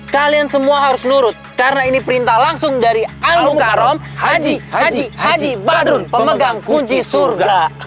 kalian semua harus nurut karena ini perintah langsung dari al mukarram haji badrun pemegang kunci surga